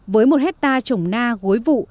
với một hectare trồng na gối vụ